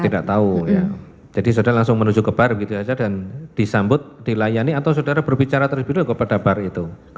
tidak tahu ya jadi saudara langsung menuju ke bar begitu saja dan disambut dilayani atau saudara berbicara terlebih dulu kepada bar itu